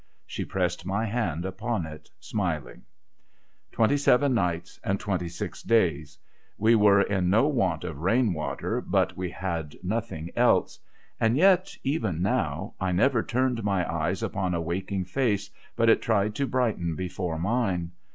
She pressed my hand upon it, smiling. Twenty seven nights and twenty six days. We were in no want of rain water, but we had nothing else. And yet, even now, I never turned my eyes upon a waking face but it tried to brighten before mine.